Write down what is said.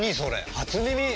初耳！